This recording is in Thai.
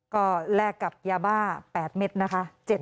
ก็แลกกับยาบ้า๘เม็ดนะคะ